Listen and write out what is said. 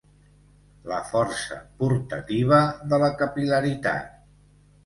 La força portativa de la capil·laritat.